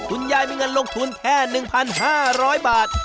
คุณยายมีเงินลงทุนแค่๑๕๐๐บาท